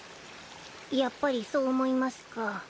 やっぱりそう思いますか。